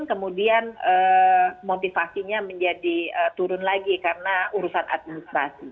maksudnya motivasinya turun lagi karena urusan administrasi